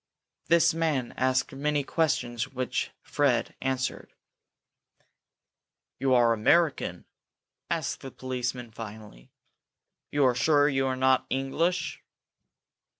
This man asked many questions which Fred answered. "You are American?" asked the policeman, finally. "You are sure you are not English?"